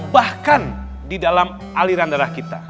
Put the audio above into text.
bahkan di dalam aliran darah kita